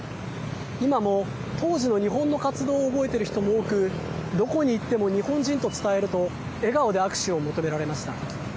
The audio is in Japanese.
今も、当時の日本の活動を覚えている人も多くどこに行っても日本人と伝えると笑顔で握手を求められました。